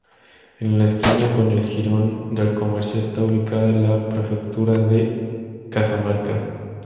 En la esquina con el jirón del Comercio está ubicada la "Prefectura de Cajamarca".